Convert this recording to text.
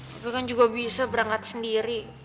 itu kan juga bisa berangkat sendiri